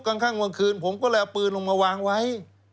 คลั่งวันคืนผมก็เลยเอาปืนลงมาวางไว้